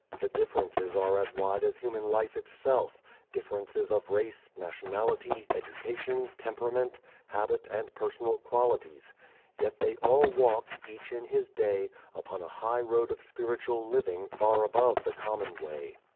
The differences are as wide as human life itself: differences of race, nationality, education, temperament, habit and personal qualities. Yet they all walked, each in his day, upon a high road of spiritual living far above the common way.